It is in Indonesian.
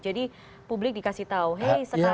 jadi publik dikasih tahu hey sekarang